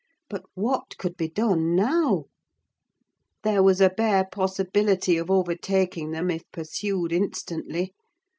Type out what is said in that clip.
But what could be done now? There was a bare possibility of overtaking them if pursued instantly.